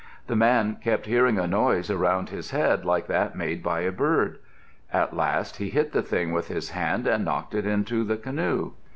The man kept hearing a noise around his head like that made by a bird. At last he hit the thing with his hand and knocked it into the canoe.